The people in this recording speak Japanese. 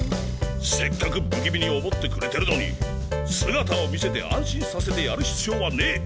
せっかく不気味に思ってくれてるのに姿を見せて安心させてやる必要はねぇ。